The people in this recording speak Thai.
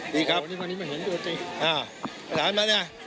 ดูข่าวนี่มันเห็นดูดดีครับ